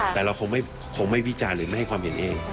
แต่เราคงไม่วิจารณ์หรือไม่ให้ความเห็นเอง